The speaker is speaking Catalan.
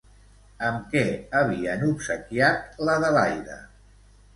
Amb què havien obsequiat l'Adelaida?